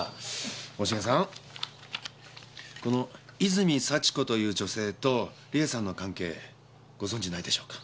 大重さんこの泉幸子という女性と理恵さんの関係ご存じないでしょうか？